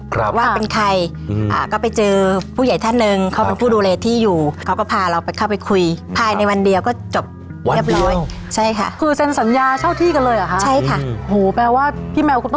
ครับผมเพราะว่าจริงจะไม่มีสวยเอาไว้ให้ชม